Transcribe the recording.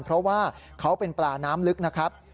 เพราะว่าเขาเป็นปลาน้ำลึกนะครับ